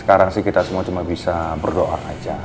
sekarang sih kita semua cuma bisa berdoa aja